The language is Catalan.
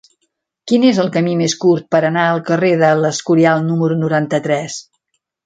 Quin és el camí més curt per anar al carrer de l'Escorial número noranta-tres?